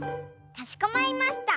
かしこまりました。